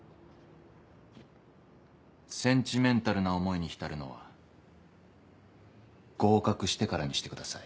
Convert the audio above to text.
センチメンタルな思いに浸るのは合格してからにしてください。